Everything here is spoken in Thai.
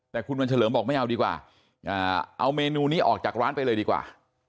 แต่คุณวันเฉลิมบอกไม่เอาดีกว่าเอาเมนูนี้ออกจากร้านไปเลยดีกว่า